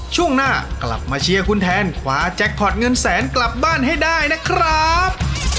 ช่วงหน้ากลับมาเชียร์คุณแทนขวาแจ็คพอร์ตเงินแสนกลับบ้านให้ได้นะครับ